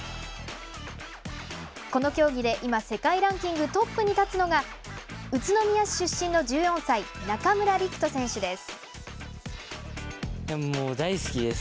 この競技で今世界ランキングトップに立つのが宇都宮市出身の１４歳中村陸人選手です。